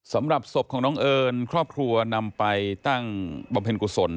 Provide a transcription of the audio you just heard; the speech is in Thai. สำหรับศพของน้องเอิญครอบครัวนำไปตั้งบำเพ็ญกุศล